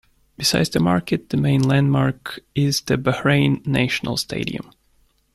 Besides the market, the main landmark is the Bahrain National Stadium.